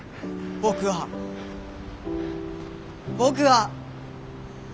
僕は僕は！